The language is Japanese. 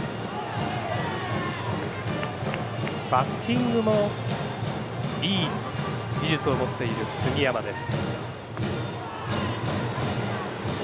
バッティングもいい技術を持っている杉山です。